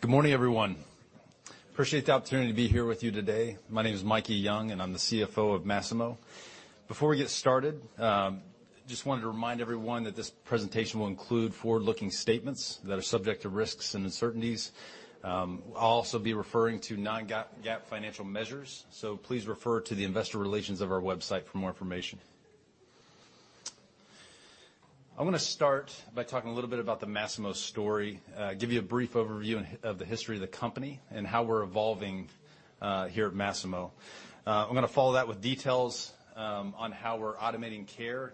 Okay. Good morning, everyone. Appreciate the opportunity to be here with you today. My name is Micah Young, and I'm the CFO of Masimo. Before we get started, I just wanted to remind everyone that this presentation will include forward-looking statements that are subject to risks and uncertainties. I'll also be referring to non-GAAP financial measures, so please refer to the investor relations of our website for more information. I want to start by talking a little bit about the Masimo story, give you a brief overview of the history of the company, and how we're evolving here at Masimo. I'm going to follow that with details on how we're automating care.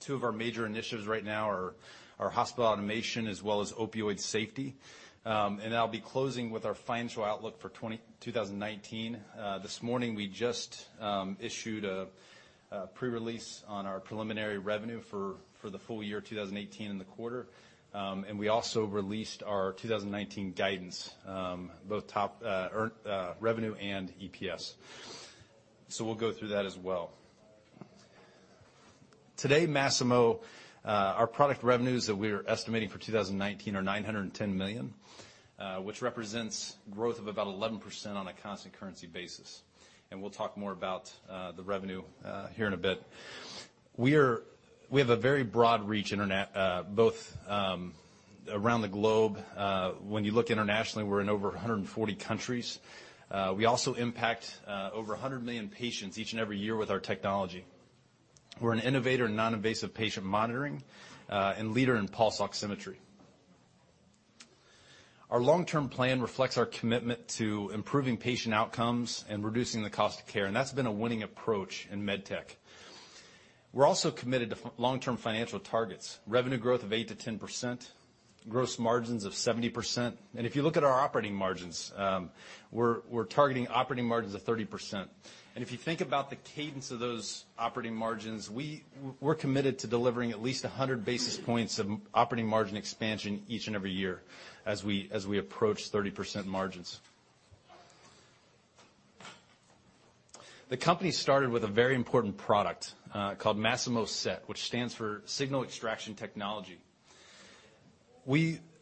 Two of our major initiatives right now are hospital automation as well as opioid safety, and I'll be closing with our financial outlook for 2019. This morning, we just issued a pre-release on our preliminary revenue for the full year 2018 and the quarter. And we also released our 2019 guidance, both revenue and EPS. So we'll go through that as well. Today, Masimo, our product revenues that we're estimating for 2019 are $910 million, which represents growth of about 11% on a constant currency basis. And we'll talk more about the revenue here in a bit. We have a very broad reach, both around the globe. When you look internationally, we're in over 140 countries. We also impact over 100 million patients each and every year with our technology. We're an innovator in non-invasive patient monitoring and leader in pulse oximetry. Our long-term plan reflects our commitment to improving patient outcomes and reducing the cost of care. And that's been a winning approach in med tech. We're also committed to long-term financial targets: revenue growth of 8-10%, gross margins of 70%, and if you look at our operating margins, we're targeting operating margins of 30%, and if you think about the cadence of those operating margins, we're committed to delivering at least 100 basis points of operating margin expansion each and every year as we approach 30% margins. The company started with a very important product called Masimo SET, which stands for Signal Extraction Technology.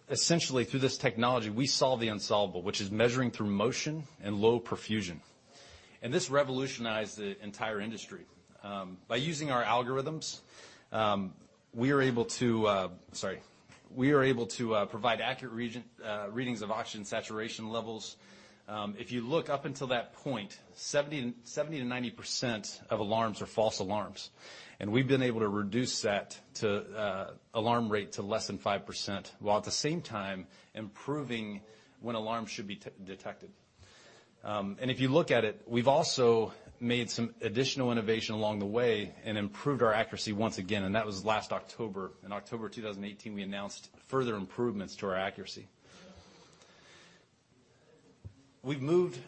Essentially, through this technology, we solve the unsolvable, which is measuring through motion and low perfusion, and this revolutionized the entire industry. By using our algorithms, we are able to, sorry. We are able to provide accurate readings of oxygen saturation levels. If you look up until that point, 70-90% of alarms are false alarms. And we've been able to reduce that alarm rate to less than 5% while at the same time improving when alarms should be detected. And if you look at it, we've also made some additional innovation along the way and improved our accuracy once again. And that was last October. In October 2018, we announced further improvements to our accuracy. We've moved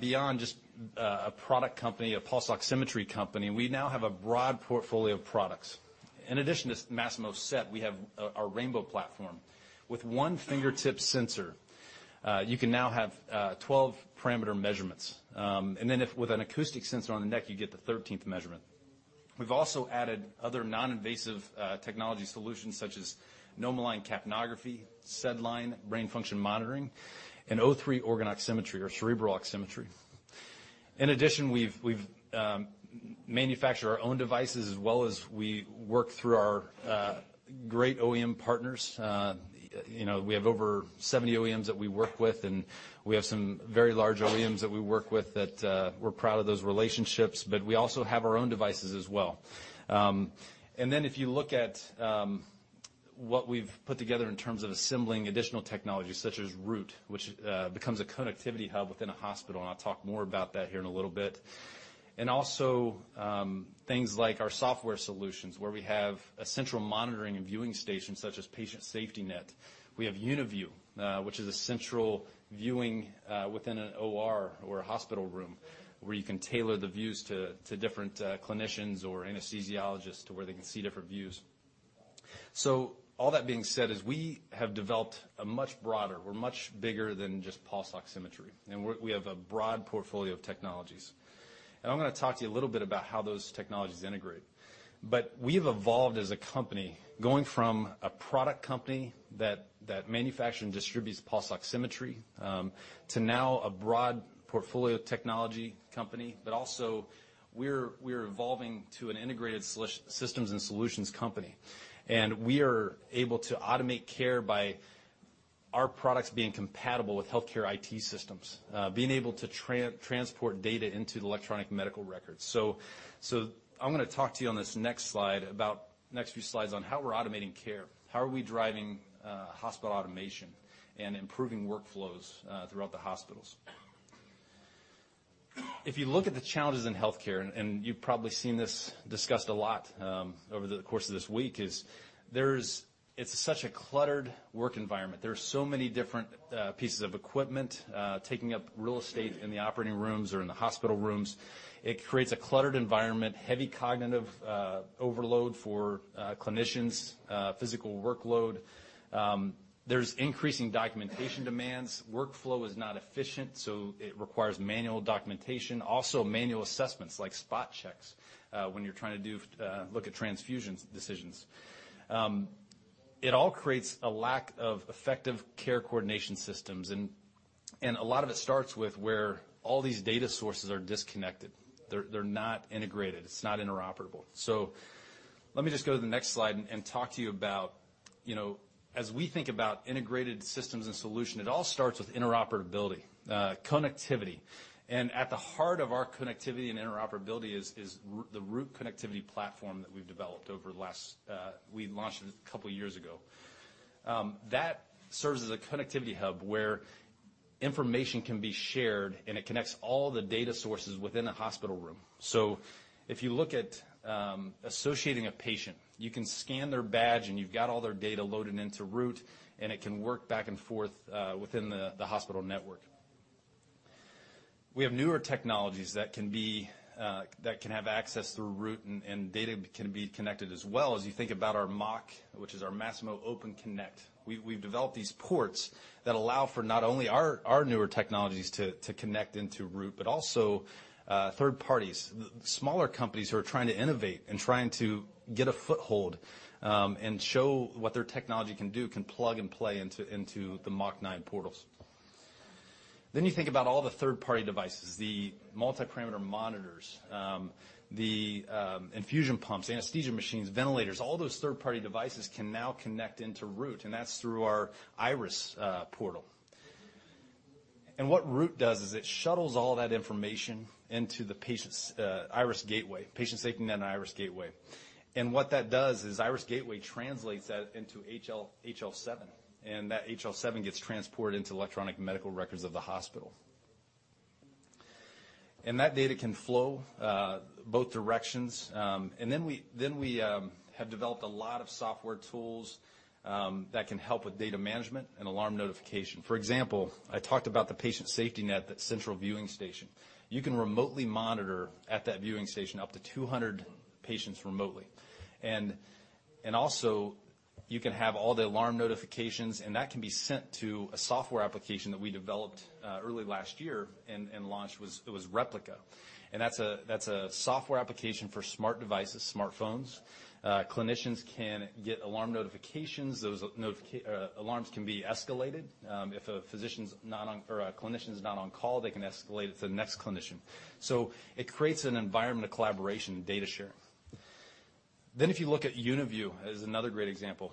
beyond just a product company, a pulse oximetry company. We now have a broad portfolio of products. In addition to Masimo SET, we have our Rainbow platform. With one fingertip sensor, you can now have 12-parameter measurements. And then with an acoustic sensor on the neck, you get the 13th measurement. We've also added other non-invasive technology solutions such as NomoLine capnography, SedLine, brain function monitoring, and O3 organ oximetry, or cerebral oximetry. In addition, we've manufactured our own devices as well as we work through our great OEM partners. We have over 70 OEMs that we work with, and we have some very large OEMs that we work with that we're proud of those relationships. But we also have our own devices as well. And then if you look at what we've put together in terms of assembling additional technology such as Root, which becomes a connectivity hub within a hospital, and I'll talk more about that here in a little bit. And also things like our software solutions, where we have a central monitoring and viewing station such as Patient SafetyNet. We have UniView, which is a central viewing within an OR or a hospital room where you can tailor the views to different clinicians or anesthesiologists to where they can see different views. All that being said, we have developed a much broader, we're much bigger than just pulse oximetry, and we have a broad portfolio of technologies, and I'm going to talk to you a little bit about how those technologies integrate, but we have evolved as a company going from a product company that manufactures and distributes pulse oximetry to now a broad portfolio technology company, but also, we're evolving to an integrated systems and solutions company, and we are able to automate care by our products being compatible with healthcare IT systems, being able to transport data into the electronic medical records, so I'm going to talk to you on this next slide about the next few slides on how we're automating care, how are we driving hospital automation, and improving workflows throughout the hospitals. If you look at the challenges in healthcare, and you've probably seen this discussed a lot over the course of this week, it's such a cluttered work environment. There are so many different pieces of equipment taking up real estate in the operating rooms or in the hospital rooms. It creates a cluttered environment, heavy cognitive overload for clinicians, physical workload. There's increasing documentation demands. Workflow is not efficient, so it requires manual documentation. Also, manual assessments like spot checks when you're trying to look at transfusion decisions. It all creates a lack of effective care coordination systems, and a lot of it starts with where all these data sources are disconnected. They're not integrated. It's not interoperable. So let me just go to the next slide and talk to you about, as we think about integrated systems and solutions, it all starts with interoperability, connectivity. At the heart of our connectivity and interoperability is the Root connectivity platform that we've developed. We launched it a couple of years ago. That serves as a connectivity hub where information can be shared, and it connects all the data sources within a hospital room. If you look at associating a patient, you can scan their badge, and you've got all their data loaded into Root, and it can work back and forth within the hospital network. We have newer technologies that can have access through Root, and data can be connected as well. As you think about our MOC, which is our Masimo Open Connect, we've developed these ports that allow for not only our newer technologies to connect into Root, but also third parties, smaller companies who are trying to innovate and trying to get a foothold and show what their technology can do, can plug and play into the MOC-9 portals. Then you think about all the third-party devices, the multi-parameter monitors, the infusion pumps, anesthesia machines, ventilators. All those third-party devices can now connect into Root, and that's through our Iris portal. And what Root does is it shuttles all that information into the Iris Gateway, Patient SafetyNet and Iris Gateway. And what that does is Iris Gateway translates that into HL7, and that HL7 gets transported into electronic medical records of the hospital. And that data can flow both directions. We have developed a lot of software tools that can help with data management and alarm notification. For example, I talked about the Patient SafetyNet, that central viewing station. You can remotely monitor at that viewing station up to 200 patients remotely. You can also have all the alarm notifications, and that can be sent to a software application that we developed early last year and launched. It was Replica. That's a software application for smart devices, smartphones. Clinicians can get alarm notifications. Those alarms can be escalated. If a physician's not on or a clinician's not on call, they can escalate it to the next clinician. It creates an environment of collaboration and data sharing. Then if you look at UniView as another great example,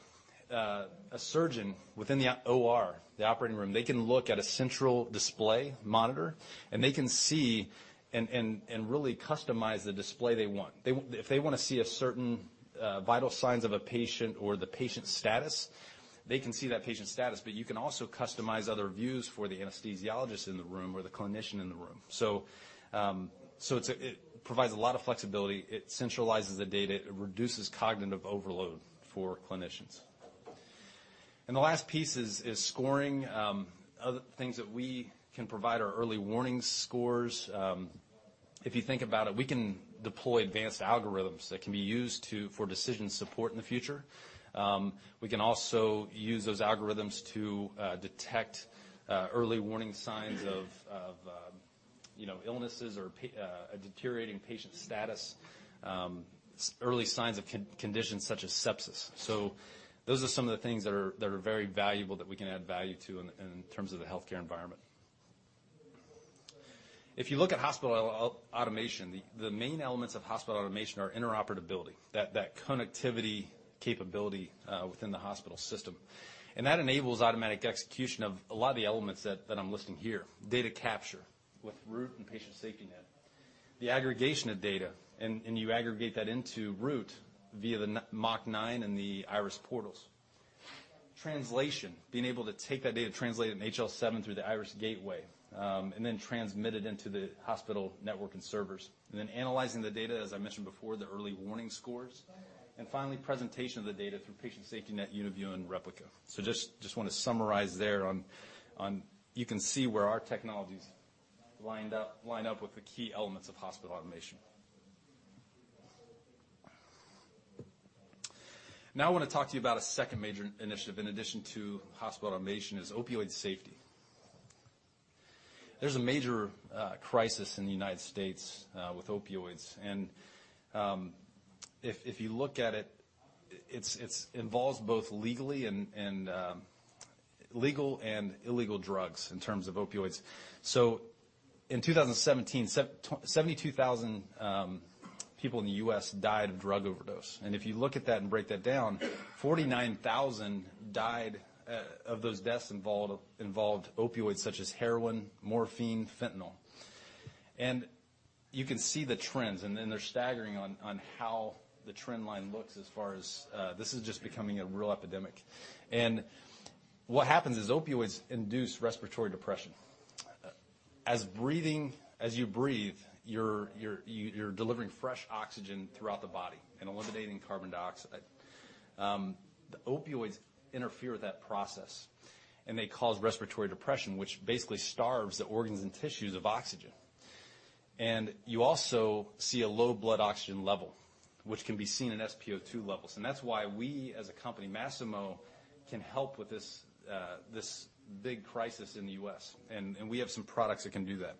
a surgeon within the OR, the operating room, they can look at a central display monitor, and they can see and really customize the display they want. If they want to see certain vital signs of a patient or the patient status, they can see that patient status. But you can also customize other views for the anesthesiologist in the room or the clinician in the room. So it provides a lot of flexibility. It centralizes the data. It reduces cognitive overload for clinicians. And the last piece is scoring, things that we can provide our early warning scores. If you think about it, we can deploy advanced algorithms that can be used for decision support in the future. We can also use those algorithms to detect early warning signs of illnesses or a deteriorating patient status, early signs of conditions such as sepsis, so those are some of the things that are very valuable that we can add value to in terms of the healthcare environment. If you look at hospital automation, the main elements of hospital automation are interoperability, that connectivity capability within the hospital system, and that enables automatic execution of a lot of the elements that I'm listing here: data capture with Root and Patient SafetyNet, the aggregation of data, and you aggregate that into Root via the MOC-9 and the Iris portals. Translation, being able to take that data, translate it in HL7 through the Iris Gateway, and then transmit it into the hospital network and servers, and then analyzing the data, as I mentioned before, the early warning scores. And finally, presentation of the data through Patient SafetyNet, UniView, and Replica. So just want to summarize there on you can see where our technologies line up with the key elements of hospital automation. Now I want to talk to you about a second major initiative in addition to hospital automation: opioid safety. There's a major crisis in the United States with opioids. And if you look at it, it involves both legal and illegal drugs in terms of opioids. So in 2017, 72,000 people in the U.S. died of drug overdose. And if you look at that and break that down, 49,000 died of those deaths involved opioids such as heroin, morphine, fentanyl. And you can see the trends. And then they're staggering on how the trend line looks as far as this is just becoming a real epidemic. And what happens is opioids induce respiratory depression. As you breathe, you're delivering fresh oxygen throughout the body and eliminating carbon dioxide. The opioids interfere with that process, and they cause respiratory depression, which basically starves the organs and tissues of oxygen. And you also see a low blood oxygen level, which can be seen in SpO2 levels. And that's why we, as a company, Masimo, can help with this big crisis in the U.S. And we have some products that can do that.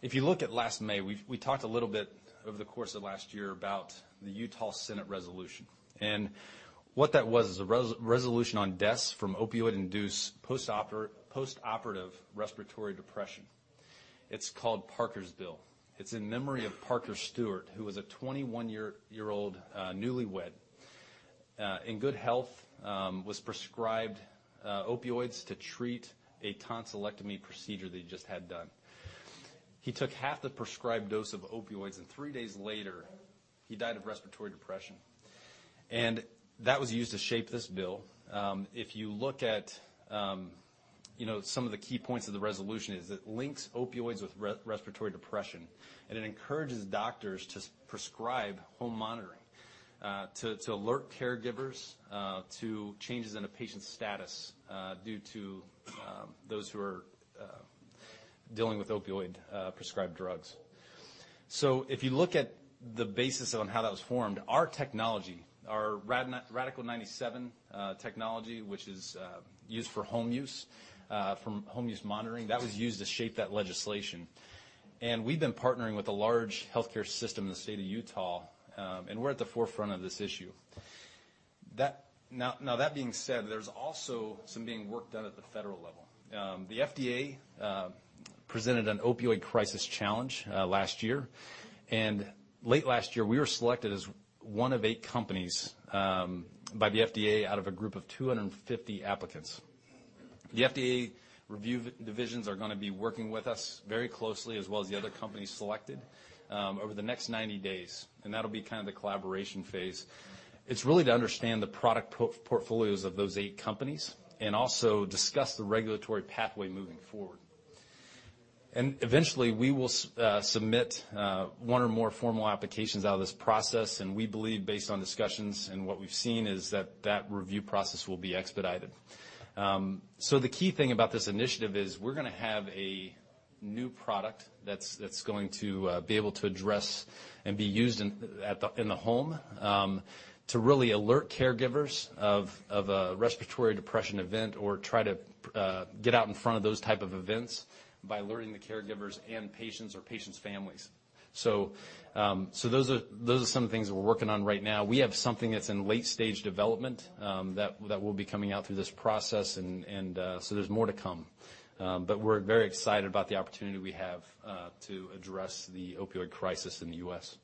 If you look at last May, we talked a little bit over the course of last year about the Utah Senate resolution. And what that was is a resolution on deaths from opioid-induced postoperative respiratory depression. It's called Parker's Bill. It's in memory of Parker Stewart, who was a 21-year-old newlywed, in good health, was prescribed opioids to treat a tonsillectomy procedure that he just had done. He took half the prescribed dose of opioids, and three days later, he died of respiratory depression, and that was used to shape this bill. If you look at some of the key points of the resolution, it links opioids with respiratory depression, and it encourages doctors to prescribe home monitoring, to alert caregivers to changes in a patient's status due to those who are dealing with opioid-prescribed drugs, so if you look at the basis on how that was formed, our technology, our Radical-97 technology, which is used for home use, for home use monitoring, that was used to shape that legislation, and we've been partnering with a large healthcare system in the state of Utah, and we're at the forefront of this issue. Now, that being said, there's also some being worked on at the federal level. The FDA presented an opioid crisis challenge last year. Late last year, we were selected as one of eight companies by the FDA out of a group of 250 applicants. The FDA review divisions are going to be working with us very closely, as well as the other companies selected, over the next 90 days. That'll be kind of the collaboration phase. It's really to understand the product portfolios of those eight companies and also discuss the regulatory pathway moving forward. Eventually, we will submit one or more formal applications out of this process. We believe, based on discussions and what we've seen, is that that review process will be expedited. So the key thing about this initiative is we're going to have a new product that's going to be able to address and be used in the home to really alert caregivers of a respiratory depression event or try to get out in front of those type of events by alerting the caregivers and patients or patients' families. So those are some of the things we're working on right now. We have something that's in late-stage development that will be coming out through this process, and so there's more to come. But we're very excited about the opportunity we have to address the opioid crisis in the U.S.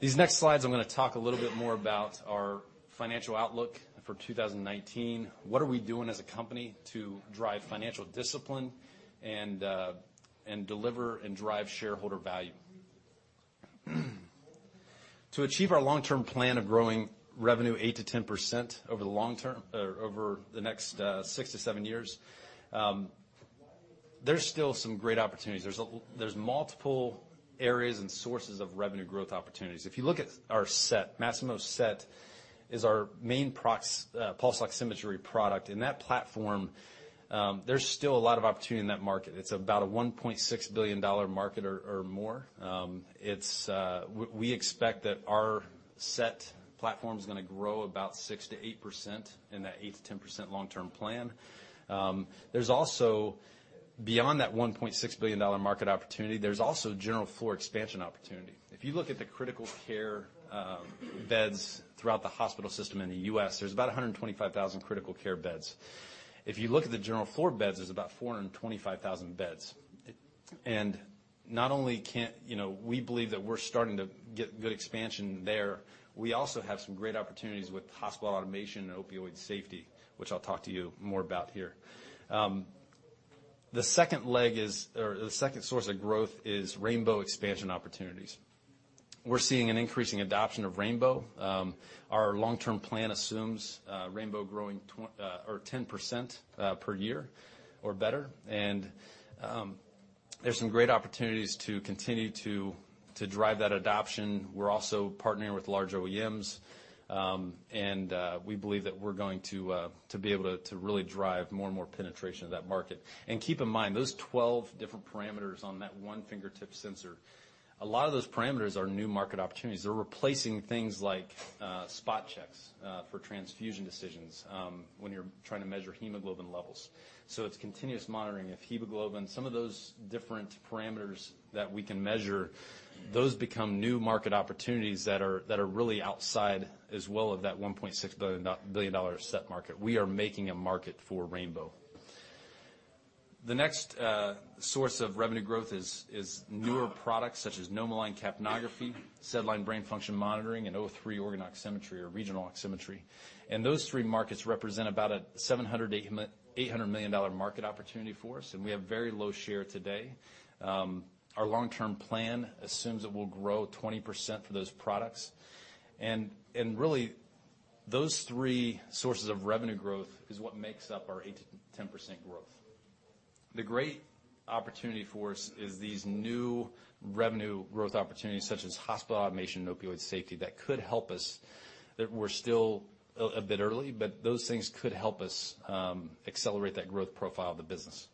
These next slides, I'm going to talk a little bit more about our financial outlook for 2019, what are we doing as a company to drive financial discipline and deliver and drive shareholder value. To achieve our long-term plan of growing revenue 8%-10% over the next six to seven years, there's still some great opportunities. There's multiple areas and sources of revenue growth opportunities. If you look at our SET, Masimo's SET is our main pulse oximetry product. In that platform, there's still a lot of opportunity in that market. It's about a $1.6 billion market or more. We expect that our SET platform is going to grow about 6%-8% in that 8%-10% long-term plan. Beyond that $1.6 billion market opportunity, there's also general floor expansion opportunity. If you look at the critical care beds throughout the hospital system in the U.S., there's about 125,000 critical care beds. If you look at the general floor beds, there's about 425,000 beds. Not only can we believe that we're starting to get good expansion there, we also have some great opportunities with hospital automation and opioid safety, which I'll talk to you more about here. The second leg is the second source of growth is Rainbow expansion opportunities. We're seeing an increasing adoption of Rainbow. Our long-term plan assumes Rainbow growing 10% per year or better. And there's some great opportunities to continue to drive that adoption. We're also partnering with large OEMs. And we believe that we're going to be able to really drive more and more penetration of that market. And keep in mind, those 12 different parameters on that one fingertip sensor, a lot of those parameters are new market opportunities. They're replacing things like spot checks for transfusion decisions when you're trying to measure hemoglobin levels. So it's continuous monitoring of hemoglobin. Some of those different parameters that we can measure, those become new market opportunities that are really outside as well of that $1.6 billion SET market. We are making a market for Rainbow. The next source of revenue growth is newer products such as NomoLine capnography, SedLine brain function monitoring, and O3 organ oximetry or regional oximetry. And those three markets represent about a $700-$800 million market opportunity for us. And we have very low share today. Our long-term plan assumes it will grow 20% for those products. And really, those three sources of revenue growth is what makes up our 8%-10% growth. The great opportunity for us is these new revenue growth opportunities such as hospital automation and opioid safety that could help us. We're still a bit early, but those things could help us accelerate that growth profile of the business.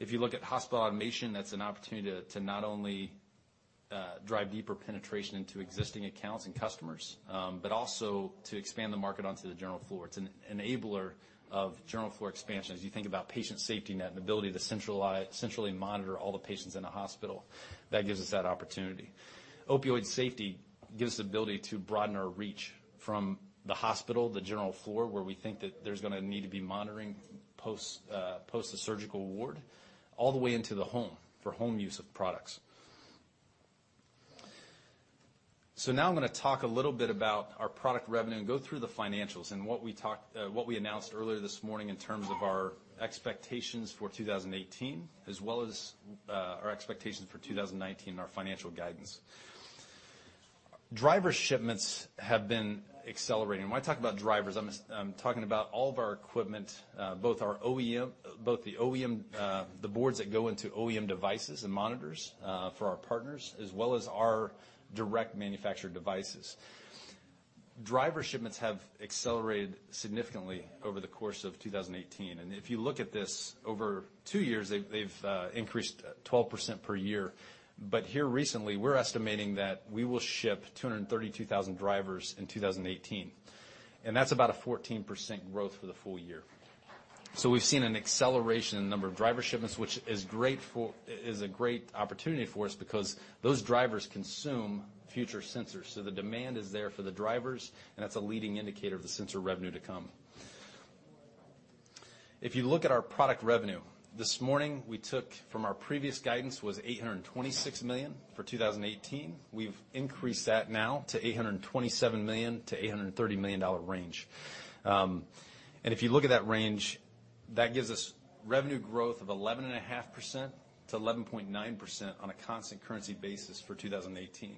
If you look at hospital automation, that's an opportunity to not only drive deeper penetration into existing accounts and customers, but also to expand the market onto the general floor. It's an enabler of general floor expansion. As you think about Patient SafetyNet and the ability to centrally monitor all the patients in a hospital, that gives us that opportunity. Opioid safety gives us the ability to broaden our reach from the hospital, the general floor, where we think that there's going to need to be monitoring post-surgical ward, all the way into the home for home use of products. So now I'm going to talk a little bit about our product revenue and go through the financials and what we announced earlier this morning in terms of our expectations for 2018, as well as our expectations for 2019 and our financial guidance. Driver shipments have been accelerating. And when I talk about drivers, I'm talking about all of our equipment, both the OEM, the boards that go into OEM devices and monitors for our partners, as well as our direct manufactured devices. Driver shipments have accelerated significantly over the course of 2018. And if you look at this, over two years, they've increased 12% per year. But here recently, we're estimating that we will ship 232,000 drivers in 2018. And that's about a 14% growth for the full year. So we've seen an acceleration in the number of driver shipments, which is a great opportunity for us because those drivers consume future sensors. So the demand is there for the drivers, and that's a leading indicator of the sensor revenue to come. If you look at our product revenue, this morning, we took from our previous guidance was $826 million for 2018. We've increased that now to $827 million-$830 million range. And if you look at that range, that gives us revenue growth of 11.5%-11.9% on a constant currency basis for 2018.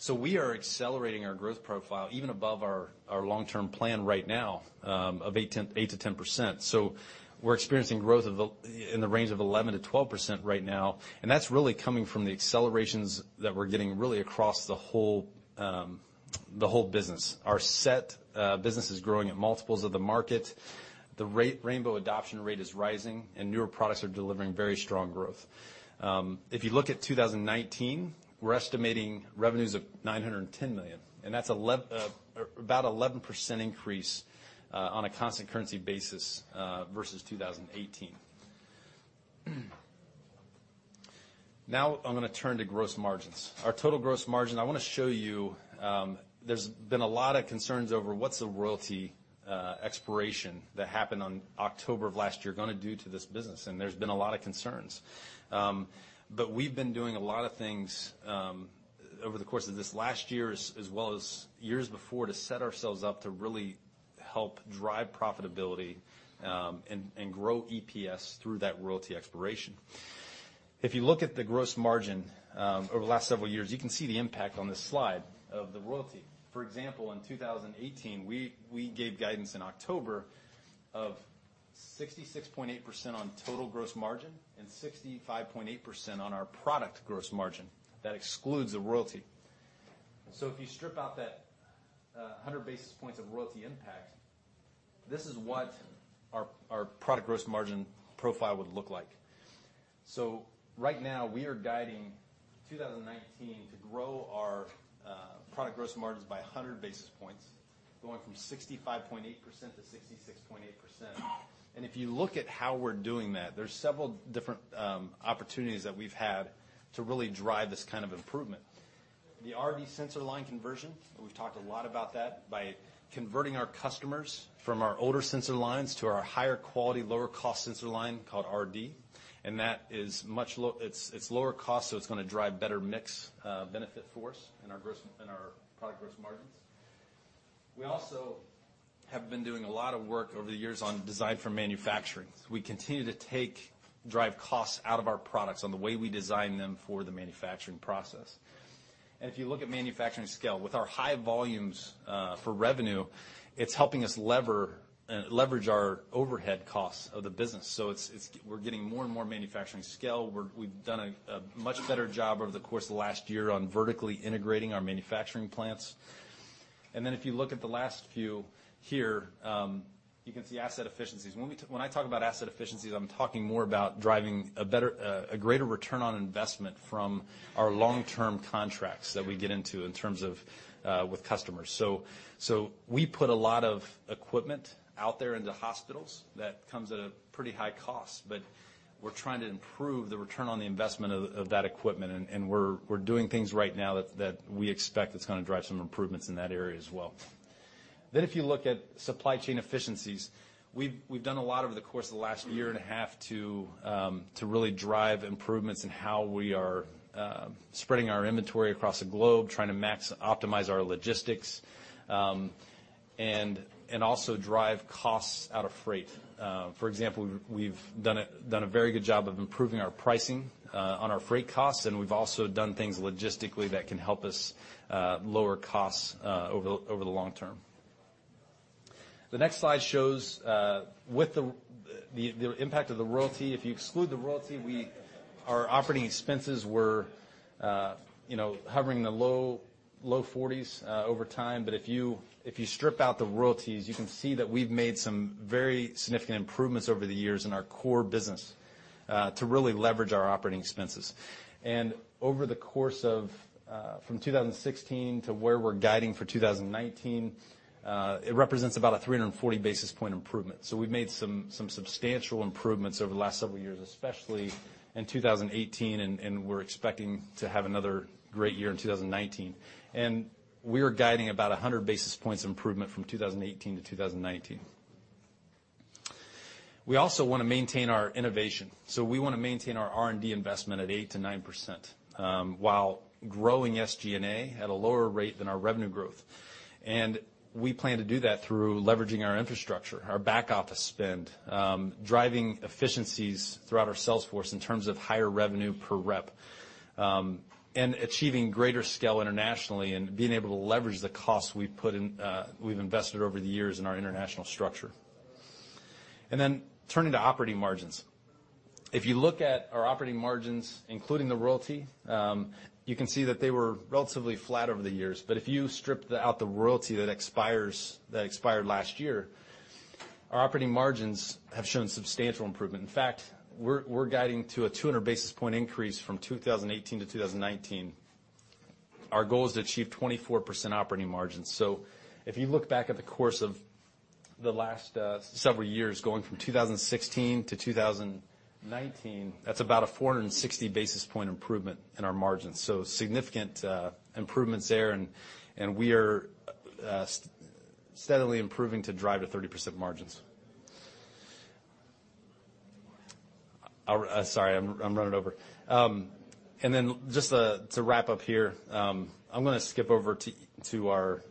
So we are accelerating our growth profile even above our long-term plan right now of 8%-10%. So we're experiencing growth in the range of 11%-12% right now. And that's really coming from the accelerations that we're getting really across the whole business. Our SET business is growing at multiples of the market. The Rainbow adoption rate is rising, and newer products are delivering very strong growth. If you look at 2019, we're estimating revenues of $910 million. And that's about an 11% increase on a constant currency basis versus 2018. Now I'm going to turn to gross margins. Our total gross margin. I want to show you there's been a lot of concerns over what's the royalty expiration that happened on October of last year going to do to this business. And there's been a lot of concerns. But we've been doing a lot of things over the course of this last year, as well as years before, to set ourselves up to really help drive profitability and grow EPS through that royalty expiration. If you look at the gross margin over the last several years, you can see the impact on this slide of the royalty. For example, in 2018, we gave guidance in October of 66.8% on total gross margin and 65.8% on our product gross margin. That excludes the royalty. So if you strip out that 100 basis points of royalty impact, this is what our product gross margin profile would look like. Right now, we are guiding 2019 to grow our product gross margins by 100 basis points, going from 65.8% to 66.8%. If you look at how we're doing that, there's several different opportunities that we've had to really drive this kind of improvement. The RD sensor line conversion, we've talked a lot about that, by converting our customers from our older sensor lines to our higher quality, lower-cost sensor line called RD. That is much lower. It's lower cost, so it's going to drive better mix benefit for us in our product gross margins. We also have been doing a lot of work over the years on design for manufacturing. We continue to drive costs out of our products on the way we design them for the manufacturing process. If you look at manufacturing scale, with our high volumes for revenue, it's helping us leverage our overhead costs of the business. We're getting more and more manufacturing scale. We've done a much better job over the course of the last year on vertically integrating our manufacturing plants. If you look at the last few here, you can see asset efficiencies. When I talk about asset efficiencies, I'm talking more about driving a greater return on investment from our long-term contracts that we get into in terms of with customers. We put a lot of equipment out there into hospitals that comes at a pretty high cost. We're trying to improve the return on the investment of that equipment. We're doing things right now that we expect that's going to drive some improvements in that area as well. Then if you look at supply chain efficiencies, we've done a lot over the course of the last year and a half to really drive improvements in how we are spreading our inventory across the globe, trying to optimize our logistics, and also drive costs out of freight. For example, we've done a very good job of improving our pricing on our freight costs. And we've also done things logistically that can help us lower costs over the long term. The next slide shows the impact of the royalty. If you exclude the royalty, our operating expenses were hovering in the low 40s over time. But if you strip out the royalties, you can see that we've made some very significant improvements over the years in our core business to really leverage our operating expenses. And over the course of from 2016 to where we're guiding for 2019, it represents about a 340 basis point improvement. So we've made some substantial improvements over the last several years, especially in 2018. And we're expecting to have another great year in 2019. And we are guiding about 100 basis points improvement from 2018 to 2019. We also want to maintain our innovation. So we want to maintain our R&D investment at 8%-9% while growing SG&A at a lower rate than our revenue growth. And we plan to do that through leveraging our infrastructure, our back office spend, driving efficiencies throughout our sales force in terms of higher revenue per rep, and achieving greater scale internationally and being able to leverage the costs we've invested over the years in our international structure. And then turning to operating margins. If you look at our operating margins, including the royalty, you can see that they were relatively flat over the years. But if you strip out the royalty that expired last year, our operating margins have shown substantial improvement. In fact, we're guiding to a 200 basis point increase from 2018 to 2019. Our goal is to achieve 24% operating margins. So if you look back at the course of the last several years, going from 2016 to 2019, that's about a 460 basis point improvement in our margins. So significant improvements there. And we are steadily improving to drive to 30% margins. Sorry, I'm running over. And then just to wrap up here, I'm going to skip over to our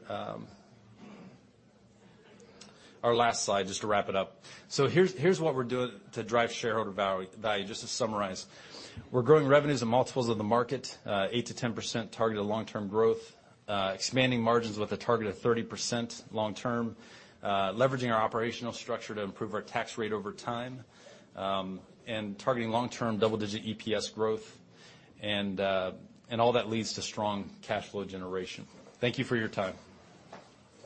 last slide just to wrap it up. So here's what we're doing to drive shareholder value. Just to summarize, we're growing revenues and multiples of the market, 8%-10% targeted long-term growth, expanding margins with a target of 30% long-term, leveraging our operational structure to improve our tax rate over time, and targeting long-term double-digit EPS growth, and all that leads to strong cash flow generation. Thank you for your time.